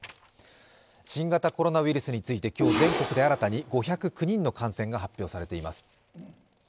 新型コロナウイルスについて今日、全国で新たに５０９人の感染が発表されています。